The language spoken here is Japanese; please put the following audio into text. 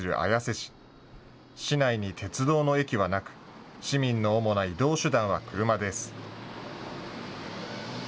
市内に鉄道の駅はなく市民の主な移動手段は車です。